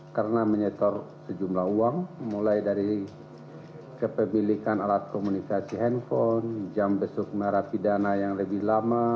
karena menyetor sejumlah uang mulai dari kepemilikan alat komunikasi handphone jam besok narapidana yang lebih lama